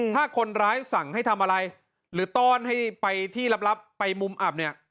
ถ้าคนร้ายสั่งให้ทำอะไรหรือต้อนให้ไปที่ลับไปมุมอับเนี่ย